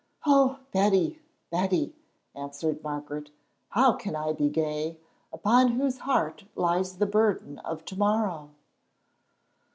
"Oh, Betty!—Betty!" answered Margaret, "how can I be gay, upon whose heart lies the burden of to morrow?"